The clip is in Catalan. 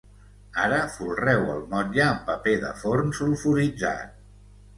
Ara folreu el motlle amb paper de forn sulfuritzat